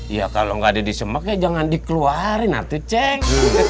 ya kalau nggak ada di semak ya jangan dikeluarin nanti cek